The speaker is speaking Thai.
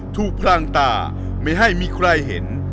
พลางตาไม่ให้มีใครเห็น